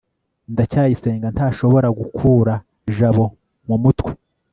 ndacyayisenga ntashobora gukura jabo mumutwe